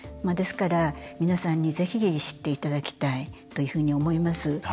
ですから、皆さんにぜひ知っていただきたいというふうに思います。